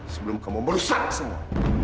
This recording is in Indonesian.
sebelum kamu merusak semua